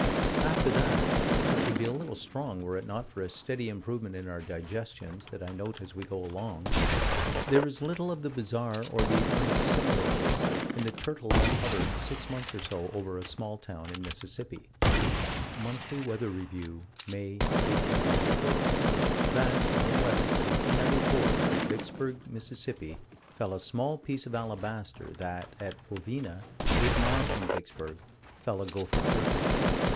After that, which would be a little strong were it not for a steady improvement in our digestions that I note as we go along, there is little of the bizarre or the unassimilable in the turtle that hovered six months or so over a small town in Mississippi: Monthly Weather Review, May, 1894: That, May 11, 1894, at Vicksburg, Miss., fell a small piece of alabaster; that, at Bovina, eight miles from Vicksburg, fell a gopher turtle.